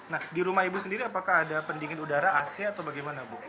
nah di rumah ibu sendiri apakah ada pendingin udara ac atau bagaimana bu